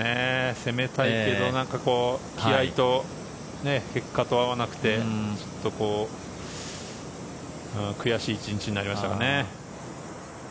攻めたいけど気合と結果と合わなくて悔しい１日になりましたかね。